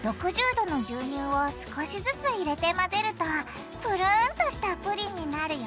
℃の牛乳を少しずつ入れて混ぜるとぷるんとしたプリンになるよ！